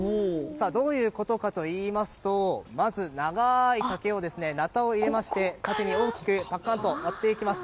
どういうことかといいますとまず、長い竹をなたを入れまして縦に大きく、パカンと割ります。